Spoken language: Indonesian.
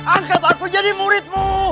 angkat aku jadi muridmu